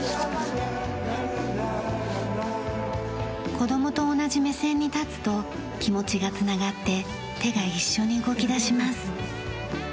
子供と同じ目線に立つと気持ちが繋がって手が一緒に動き出します。